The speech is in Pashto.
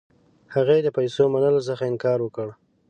هغې د پیسو منلو څخه انکار وکړ.